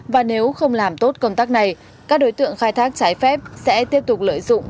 và nếu không làm tốt công tác này các đối tượng khai thác trái phép sẽ tiếp tục lợi dụng